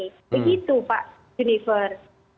begitu pak junifer